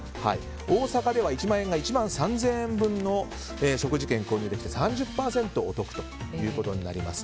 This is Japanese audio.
大阪では１万円が１万３０００円分の食事券が購入できて３０％お得ということになります。